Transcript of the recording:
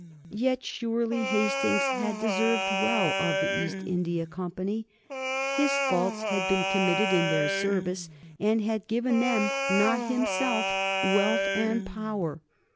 Yet surely Hastings had deserved well of the East India Company. His faults had been committed in their service and had given them, not himself, wealth and power.